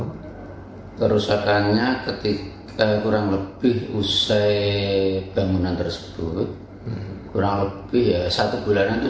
hai terus akannya ketika kurang lebih usai bangunan tersebut kurang lebih satu bulan itu